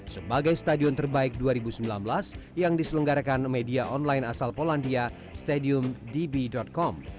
sebagai stadion terbaik dua ribu sembilan belas yang diselenggarakan media online asal polandia stadium db com